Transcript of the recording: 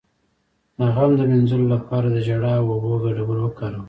د غم د مینځلو لپاره د ژړا او اوبو ګډول وکاروئ